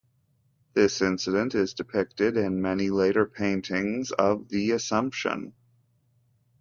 This incident is depicted in many later paintings of the Assumption.